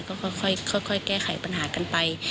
ก็ค่อยแก้ไขปัญหากันไป